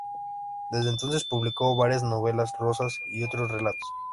Desde entonces publicó varias novelas rosas y otros relatos.